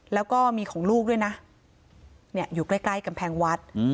แล้วก็มีของลูกด้วยนะอยู่ใกล้กำแพงวัด